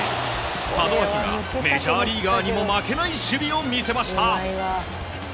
門脇がメジャーリーガーにも負けない守備を見せました。